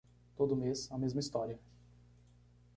Todo mês, a mesma história.